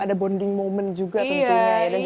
ada bonding moment juga tentunya